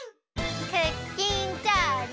クッキンチャージ。